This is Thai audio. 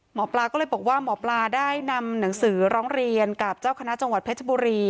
หมอปลาก็เลยบอกว่าหมอปลาได้นำหนังสือร้องเรียนกับเจ้าคณะจังหวัดเพชรบุรี